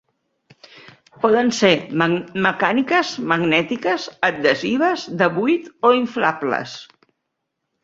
Poden ser mecàniques, magnètiques, adhesives, de buit o inflables.